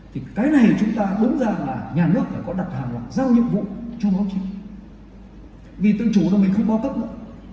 thì cái này chúng ta đúng ra là nhà nước phải có đặt hàng hoặc giao nhiệm vụ cho báo chí